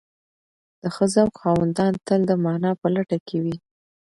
د ښه ذوق خاوندان تل د مانا په لټه کې وي.